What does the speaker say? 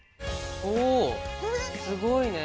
おすごいね！